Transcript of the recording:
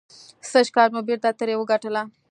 سږکال مو بېرته ترې وګټله.